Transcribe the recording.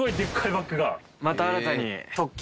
また新たに。